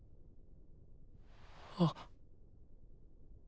あっ。